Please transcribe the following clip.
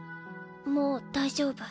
もう大丈夫。